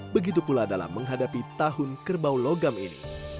begitu pula dalam menghadapi tahun kerbau logam ini